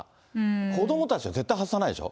子どもたちは絶対外さないでしょ。